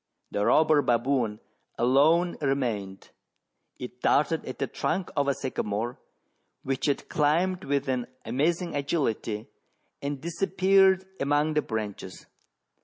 The robber baboon alone remained : it darted at the trunk of a sycamore, which it climbed with an amazing agility, and disappeared among the branches.